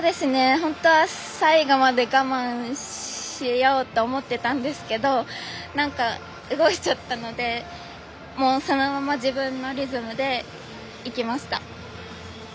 最後まで我慢しようと思っていたんですけど動いちゃったので、そのまま自分のリズムで行きました。